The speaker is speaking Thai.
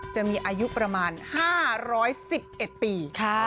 จะมีอายุประมาณ๕๑๑ปี